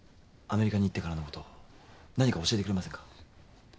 アメリカに行ってからのこと何か教えてくれませんか？